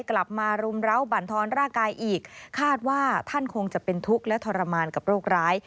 มารุมร้าวบรรทอนร่างกายอีกคาดว่าท่านคงจะเป็นทุกข์และทรมานกับโรคร้าย